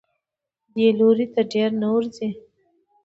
دې لوري ته ډېر نه ورځي.